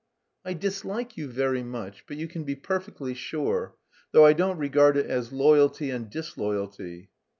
"I dislike you very much, but you can be perfectly sure though I don't regard it as loyalty and disloyalty."